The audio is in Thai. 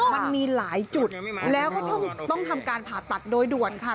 มันมีหลายจุดแล้วก็ต้องทำการผ่าตัดโดยด่วนค่ะ